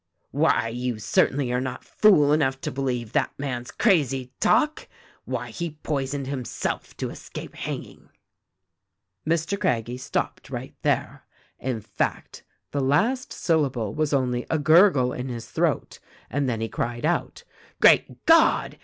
" 'Why, you certainly are not fool enough to believe that man's crazy talk. Why, he poisoned himself to escape hang ing.' THE RECORDING ANGEL 225 "Mr. Craggie stopped right there. In fact, the last syllable was only a gurgle in his throat; and then he cried out, 'Great God